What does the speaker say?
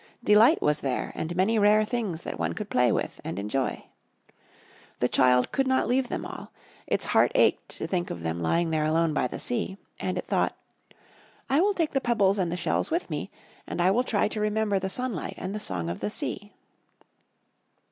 Delight was there and many rare things that one could play with and enjoy. The child could not leave them all. Its heart ached to think of them lying there alone by the sea. And it thought: "I will take the pebbles and the shells with me and I will try to remember the sunlight and the song of the sea."